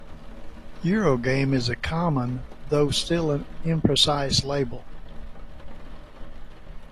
Eurogame is a common, though still an imprecise, label.